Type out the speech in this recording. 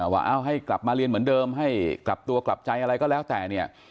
ว่าเอาให้กลับมาเรียนเหมือนเดิมให้กลับตัวกลับใจอะไรก็แล้วแต่เนี่ย